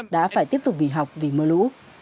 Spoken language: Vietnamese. đã phải tiếp tục nghỉ học vì mưa lũ